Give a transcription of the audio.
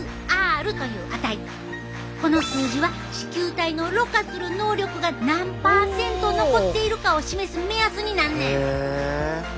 この数字は糸球体のろ過する能力が何％残っているかを示す目安になんねん。